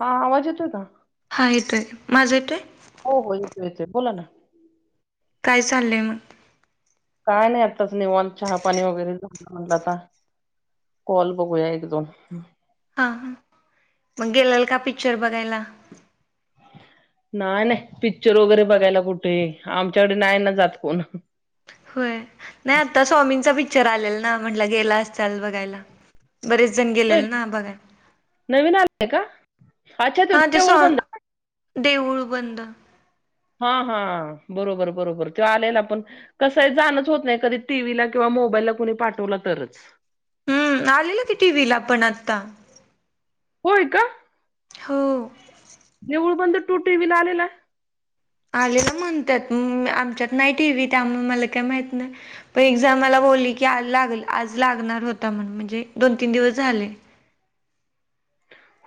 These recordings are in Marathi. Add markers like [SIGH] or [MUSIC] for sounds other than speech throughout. हा आवाज येतो काय? हा येतो आहे माझं येतो आहे. हो हो येतो येतोय बोला ना. काय चाललंय मग. काय नाही आत्ताच निवांत चहापाणी वगैरे झालं म्हटलं आता. कॉल बघूया एक दोन. हा मग गेलेल का पिक्चर बघायला. नाही नाही पिक्चर वगैरे बघायला कुठे आमच्याकडे नाही ना जात कोण. होय नाही आता स्वामींचा पिक्चर आलेला ना म्हटलं गेला असचाल बघायला. बरेच जण गेलेले ना बघाय. नवीन आलंय का अच्छा त हा ते देऊळ सॉ बंद देऊळ बंद. हा हा बरोबर बरोबर ते आलेल आपण. कस आहे जाणच होत नाही कधी टीव्हीला किंवा मोबाईलला कोणी पाठवला तरच. हम्म आलेलं की टी व्ही ला पण आता. होय का? हो. नेउळ बंद तू टीव्हीला आलेला आलेच म्हणतात आमच्यात नाही टीव्ही त्यामुळे मला काय माहीती नाही. पण एकदा मला बोलली की लाग आज लागणार होता म्हण म्हणजे दोन तीन दिवस झाले.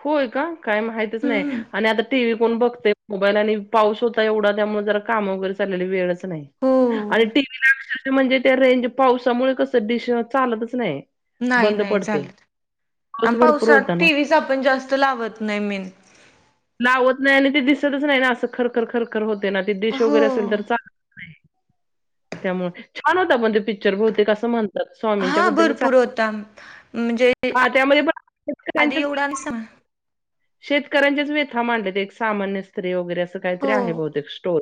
होय का काय माहितच नाही हम्म आणि आता टी व्ही कोण बघते. मोबाईल आणि पाऊस होता एवढा त्यामुळे जरा काम वगैरे चालेली वेळच नाही हो आणि टीव्हीला म्हणजे त्या रेंज पावसामुळे कसं डिश चालतच नाही. नाही बंद नाही पडते. चाले पाऊस भरपूर पावसात होता ना. टीव्हीचा आपण जास्त लावत नाही मी लावत नाही आणि ते दिसतच नाही ना असं खरखर खरखर होते ना ती डिश वगैरे असेल तर हो. चालत नाही. त्यामुळे छान होता पण ते पिक्चर बोवते कसं म्हणत. स्वामींच्या हा बद्दलच भरपूर आहे होता म्हणजे हा त्यामध्ये पण आधी एवढा नाही स शेतकऱ्यांच्याच व्यथा मांडलेत एक सामान्य स्त्री वगैरे असं काहीतरी आहे हो. बहुतेक स्टोर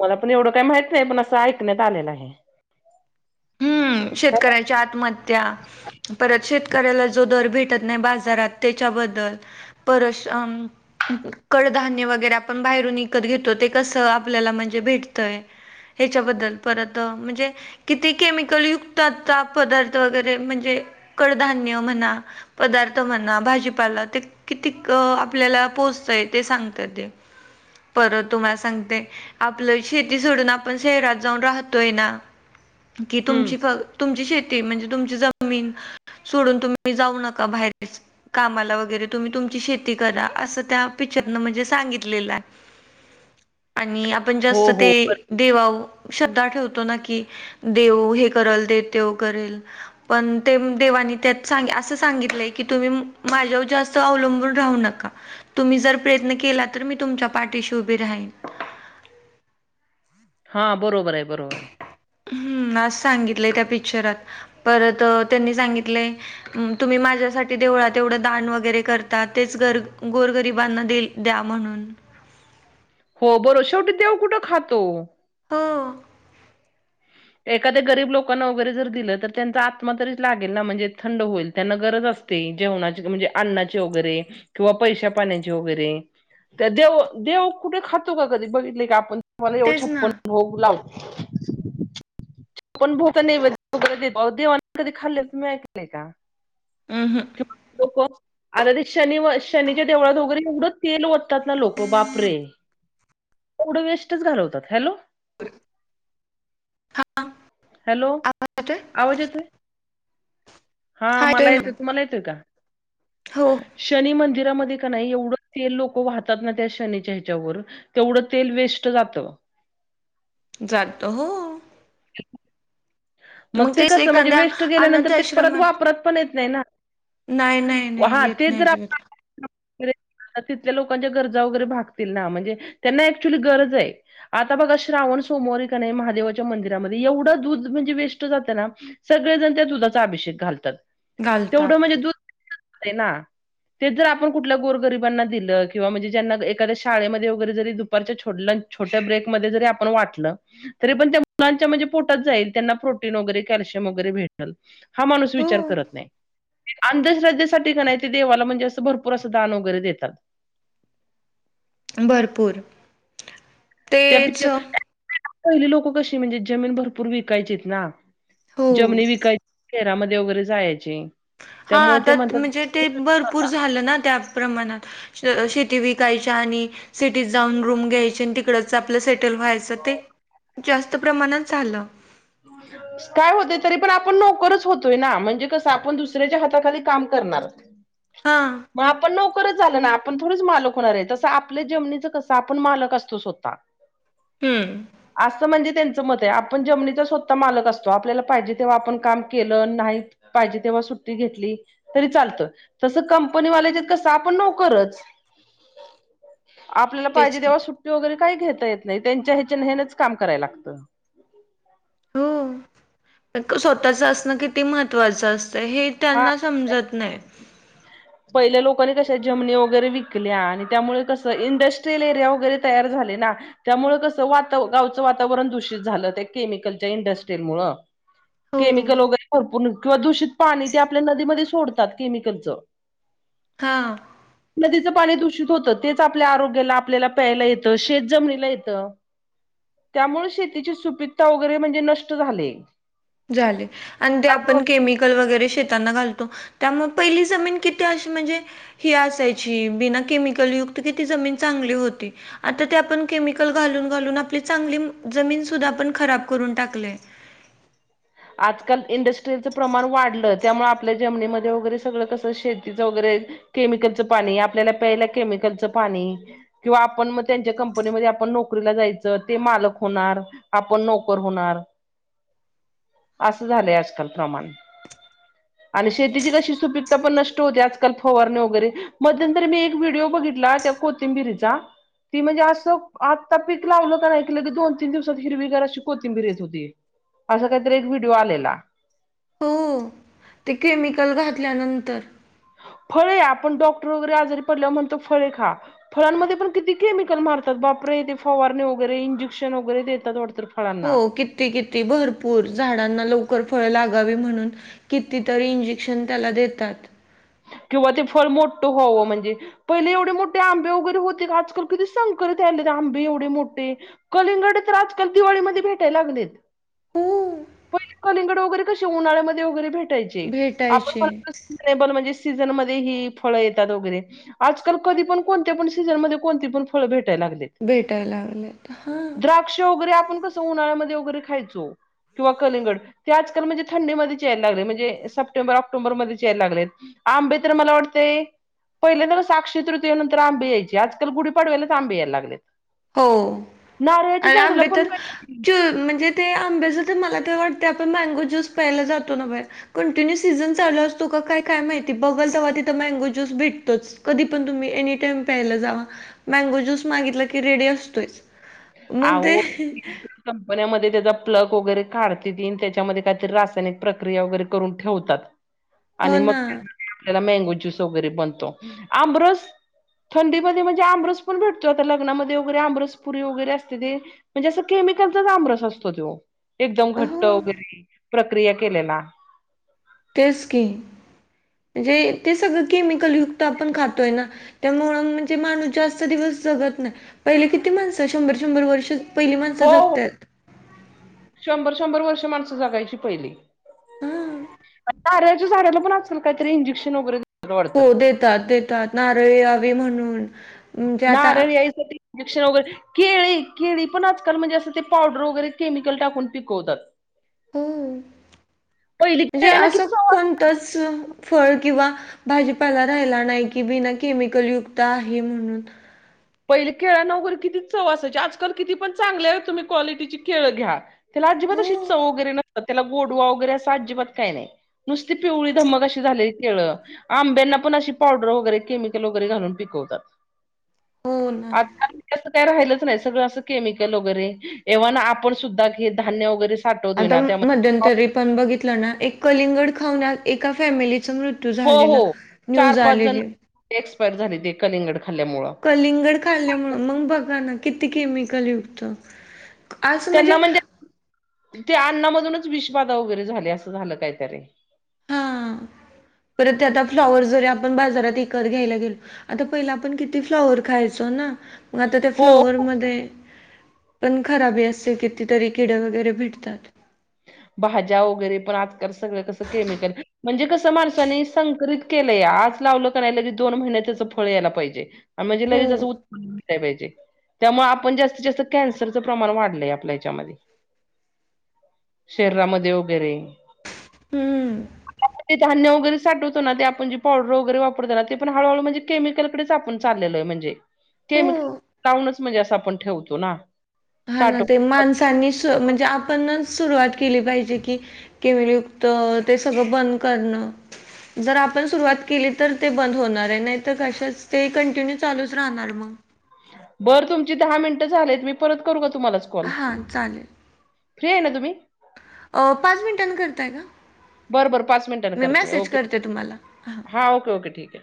मला पण एवढं काही माहित नाही पण असं ऐकण्यात आलेलं आहे. हम्म शेतकऱ्याच्या आत्महत्या परत शेतकऱ्याला जो दर भेटत नाही बाजारात त्याच्याबद्दल परश अं कडधान्य वगैरे आपण बाहेरून विकत घेतो ते कसं आपल्याला म्हणजे भेटतंय. ह्याच्याबद्दल परत म्हणजे किती केमिकलयुक्तचा पदार्थ वगैरे म्हणजे कडधान्य म्हणा. पदार्थ म्हणा भाजीपाला ते किती आपल्याला पोहोचतय ते सांगत ते परत तुम्हाला सांगते आपलं शेती सोडून आपण शहरात जाऊन राहतोय ना. कि हम्म तुमची तुमची शेती म्हणजे तुमची जमीन सोडून तुम्ही जाऊ नका बाहेरच. कामाला वगैरे तुम्ही तुमची शेती करा असं त्या पिक्चरन म्हणजे सांगितलेलं आहे. आणि आपण हो जास्त ते हो बर- देवाव श्रधा ठेवतो ना कि देऊ हे करल दे तेव करेल. पण ते देवाांनी त्यात असं सांगितलंय की तुम्ही माझ्या जास्त वलंबून रा नका तुम्ही जर प्रयत्न केला तर मी तुमच्या पाठीशी उभे राहीन. हां बरोबर आहे बरोबर आहे. हम्म अस सांगितलंय त्या पिक्चरात परत त्यांनी सांगितलंय. तुम्ही माझ्यासाठी देवळात तेवढं दान वगैरे करता तेच गर गोर गरिबांना देल. द्या म्हणून हो बरं शेवटी देव कुठं खातो. हो. एखाद्या गरीब लोकांना वगैरे जर दिलं तर त्यांचा आत्मा तरीच लागेल ना म्हणजे थंड होईल त्यांना गरज असते. जेवणा म्हणजे अन्नाचे वगैरे किंवा पैशा पाण्याचे वगैरे त्या देव देव कुठे खातो का कधी बघितले काी आपण तुम्हाला एवढं तेच ना. छप्पन होऊ लावो. पण भोक नाही कधी खाल्ले केय का? हम्म ह. लोक आता ते शनी व शनीच्या देवळातोगरी तेवढं तेल तात ना लोक बापरे एवढं वेस्टच घालवतात हॅलो. ह. हॅलो येतोय? आवाज येत. हा मला येतोय तुम्हाला येतोय का? हो, शनी मंदिरामध्ये का नाही एवढंच ते लोक वाहतात ना त्या शनीच्या ह्याच्यावर तेवढं तेल वेस्ट जात. जात हो. [UNINTELLIGIBLE] मग ते तेच कसं म्हणजे एखाद्या वेस्ट अनाथ गेल्यानंतर ते परत आश्रमात वापरत पण येत नाही ना. नाही, नाही, हा नाही, येत ते नाही जर आप अजिबात. तर एक तिथल्या लोकांच्या गरजा वगैरे भागतील ना, म्हणजे त्यांना ऍक्च्युली गरज हाय. आता बघा श्रावण सोमवारी का नाही, महादेवाच्या मंदिरामध्ये एवढं दूध ते म्हणजे वेस्ट जातं ना, सगळेण त्या दुधाचा अभिषेक घालतात. तेवढं घालतात. म्हणजे दूध ते ना तेच जर आपण कुठल्या गोर गरिबांना दिलं किंवा म्हणजे ज्यांना एखाद्या शाळेमध्ये वगैरे जरी दुपारच्या छोडलं छोट्या ब्रेकमध्ये जरी आपण वाटलं, तरी पण त्या मुलांच्या म्हणजे पोटात जाईल. त्यांना प्रोटीन वगैरे कल्शियम वगैरे भेटल, हा माणूस हो, विचार करत नाही. अंधश्रद्धेसाठी का नाही, ते देवाला म्हणजे असं भरपूर असं दान वगैरे देतात. भरपूर. त्या तेच [UNINTELLIGIBLE] पहिली लोकं कशी म्हणजे जमीन भरपूर विकायचीत ना. हो. जमनी विकाय केरामध्ये वगैरे जायची. हा आता म्हणजे ते भरपूर झालं ना त्या प्रमाणात. शेती विकायच्या आणि सिटीत जाऊन रूम घ्यायचे आणि इकडच आपलं सेटल व्हायसाठी, ते जास्त प्रमाणात झालं. [UNINTELLIGIBLE] काय होतंय तरीपण आपण नोकरच होतोय ना. म्हणजे कसं आपण दुसऱ्याच्या हाताखाली काम करणार. हा. मग आपण नोकरच झाल ना, आपण थोडच मालक होणार आहे. तसं आपल्या जमनीच कसं आपण मालक असतो स्वतः. हम्म असं म्हणजे त्यांचं मत आहे. आपण जमनीत तो स्वतः मालक असतो. आपल्याला पाहिजे तेव्हा आपण काम केलं, नाही पाहिजे तेव्हा सुट्टी घेतली. तरी चालतं, तसं कंपनी वाल्याच्यात कसं आपण नोकरच. [INAUDIBLE] आपल्याला तेच पाहिजे की तेव्हा सुट्टी वगैरे काही घेता येत नाही, त्यांच्या ह्याच्यान हेनच काम करायला लागतं. हो, स्वतःच असणं किती महत्त्वाचं असतंय. हे हा त्यांना समजत नाही. पहिल्या लोकांनी कशा जमनी वगैरे विकल्या आणि त्यामुळे कसं इंडस्ट्रीयल एरिया वगैरे तयार झाले ना. त्यामुळे कसं वाताव गावचं वातावरण दूषित झालं, त्या केमिकलच्या इंडस्ट्रीमुळं. हो केमिकल वगैरे भरपूर किंवा दूषित पाणी ते आपल्या नदीमध्ये सोडतात केमिकलचं. हा. नदीचं पाणी दूषित होतं. तेच आपल्या आरोग्याला, आपल्याला प्यायला येतं. शेत जमनीला येतं. त्यामुळं शेतीची सुपीकता वगैरे म्हणजे नष्ट झालेय झाले आणि ते आपण केमि कल वगैरे शेतांना घालतो, त्यामुळे पहिली जमीन किती अशी म्हणजे ही असायची. बिना केमिकलयुक्त किती जमीन चांगली होती. आता ते आपण केमिकल घालून घालून, आपली चांगली जमीन सुद्धा आपण खराब करून टाकलीय. आजकाल इंडस्ट्रीलचं प्रमाण वाढलं, त्यामुळे आपल्या जमनीमध्ये वगैरे सगळं कसं शेतीचं वगैरे केमिकलचं पाणी, आपल्याला प्यायला केमिकलचं पाणी. किंवा आपण मग त्यांच्या कंपनीमध्ये आपण नोकरीला जायचं, ते मालक होणार. आपण नोकर होणार. असं झालंय आजकाल प्रमाण. [INAUDIBLE] आणि शेतीची कशी सुपीकता पण नष्ट होते, आजकाल फवारणे वगैरे. मध्यंतर मी एक व्हिडिओ बघितला, त्या को तिंबिरीचा ती म्हणजे असं आत्ता पिक लावलं का ऐकलं की, दोन तीन दिवसात हिरवीगार अशी कोथिंबीर येत होती. असा काहीतरी एक व्हिडिओ आलेला. हो, ते केमिकल घातल्यानंतर. फळे आपण डॉक्टर वगैरे आजारी पडल्यावर म्हणतो, फळे खा. फळांमध्ये पण किती केमिकल मारतात. बापरे ते फवारणी वगैरे इंजेक्शन वगैरे देतात वाटतं. फळांना हो किती किती भरपूर, झाडांना लवकर फळ लागावी म्हणून कितीतरी इंजेक्शन त्याला देतात किंवा ते फळ मोठं व्हावं म्हणजे. पहिले एवढे मोठे आंबे वगैरे होते का आजकाल कध संकरत राहिले आंबे एवढे मोठे. कलिंगड तर आजकाल दिवाळीमध्ये भेटायला लागलेत. हम्म पहि कलिंगड वगैरे कसे उन्हाळ्यामध्ये वगैरे भेटायचे आपण भेटायचे म्हणजे. सीझन मधे ही फळ येतात वगैरे. आजकाल कधी पण कोणत्या पण सीजनमध्ये कोणती पण फळ भेटाय लागले. भेटाय लावल्यात हा. क्ष वगैरे आपण कसं उन्हाळ्यामध्ये वगैरे खायचो किंवा कलिंगड ते आजकाल म्हणजे थंडीमध्ये चेयला लागले म्हणजे सप्टेंबर ऑक्टोबरमध्ये चेयला लागलेत. आंबे तर मला वाटते. पहिले तर साक्षी तृतीयन नंतर आंबी यायची आजकाल गुढी पाडवायला आंबे यायला लागलेत. हो नारळाच्या आणि झाडाला आंबे पण तर काय चूर म्हणजे. ते आंब्याचं तर मला ते वाटते आपण मँगो ज्यूस प्यायला जातो ना बाहेर. कंटिन्यू सीझन चालू असतो काय काय माहिती बघलताव्हा तिथं मँगो ज्यूस भेटतोच. कधी पण तुम्ही अनिताईम पायाला जावा मँगो ज्यूस मागितल की रेडी असतो मग ते. अहो कंपन्यामध्ये त्याचा प्लग वगैरे काढते ती आणि त्याच्यामध्ये काहीतरी रासायनिक प्रक्रिया वगैरे करून ठेवतात. [INAUDIBLE] आणि मग आपल्याला मँगो ज्यूस वगैरे बनतो आंबरस. थंडीमध्ये म्हणजे आंबरस पण भेटोताग्नामध्ये वगैरे आमरस. पूरी वगैरे असते ते म्हणजे अस केमिकलचा तमरस असतो तो एकदम हो घट्ट वगैरे. प्रक्रिया केलेला. तेच की म्हणजे ते सगळं केमिकल युक्त आपण खातोय ना. त्यामुळ म्हणजे माणूस जास्त दिवस जगत नाही पहिले किती माणसं शंभर शंभर वर्ष. पहिली माणसं हो हो जगतात. शंभर शंभर वर्ष माणसं जगायची पहिली. हा नारळाच्या झाड्याला पण असल काहीत इंजेक्शन वगैरे. देतात वाटतं हो देतात देतात नारळी यावी म्हणून. म्हणजे आता नारळ याईसाठी. इंजेक्शन वगैरे केळी केळी पण आजकाल म्हणजे असं ते पावडर वगैरे केमिकल टाकून पिकवतात. हो पहिली म्हणजे केळ्यांना किती असं चव कोणतच फळ किंवा. भाजीपाला राहिला नाही कि बिना केमिकल युक्त आहे म्हणून. पहिले खेळ नवर किती चववासायचे आजकाल किती पण चांगले आहेत तुम्ही क्वालिटीची केळ घ्या. त्याला अजिबात हो, अशी चव वगैरे नसतात त्याला गोडवा वगैरे असं अजिबात काही नाही. नुसती पिवळी धमक अशी झालेली केळ. आंब्यांना पण अशी पावडर वगैरे केमिकल वगैरे घालून पिकवतात. हा न. आजकाल मी असं काय राहिलंच नाही सगळं असं केमिकल वगैरे. एव्हा आपण सुद्धा क धान्य वगैरेस. आता मध्यंतरी पण बघितलं ना एक कलिंगड खाऊन एका फॅमिलीचा मृत त्यू हो झालेला हो चार न्यूज पाच जण आलेली. एक्सपायर झाली ते कलिंगड खाल्ल्यामुळं. कलिंगड खाल्ल्यामु मग बघा ना किती केमिकल युक्त. त्यांना म्हणजे ते अन्नमधूनच विषबाधा वगैरे झाले असं झालं कायतरीे. हा परत ते आता फ्लॉवरर् जरी आपण बाजारात वत घ्यायला गेलो. आता पहिला आपण किती फ्लॉवर खायचो ना मग आता त्या हो फ्लॉवर मध्ये. पण खराबी असे कितीतरी किडे वगैरे भेटतात. भाज्या वगैरे पण आजकाल सगळं कसं केमिकल म्हणजे कसं माणसानी संकित केलंय आज लावलं का नाही लगे दोन महिन्या त्याचं फळ यायला पाहिजे. म्हणजे हो, लगेच असं उत पाहिजे त्यामुळे आपण जास्तीत जास्त कॅन्सरचं प्रमाण वाढलंय आपल्या याच्यामध्ये. शरीरामध्ये वगैरे हम्म, धान्य वगैरे साठवत ना ते आपण जे पावडर वगैरे वापरताना ते पण हळहळू म्हणजे केमिकलकडेच आपण चाललेल आहे म्हणजे ते मग हो. लाऊूनच म्हणजे असं आपण ठेवतो ना हा ना साठव ते माणसांनी शोध म्हणजे आपणच सुरुवात केली पाहिजे की किमलुक्त ते सगळं बंद करणं जर आपण सुरवात केली तर ते बंद होणार आहे नाही तर कशच ते कंटिन्यू चालूच राहणार मग. बर तुमची दहा मिनटं झालेत मी परत करू का तुम्हालाच? कॉल हा चालेल फ्री आहे ना तुम्ही? अ पाच मिनिटांनी करताय का? बरं बरं पाच मिनिटांने मी मेसेज ओके करते तुम्हाला ह हां ओके ओके ठीक आहे